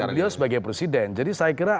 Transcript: dan dia sebagai presiden jadi saya kira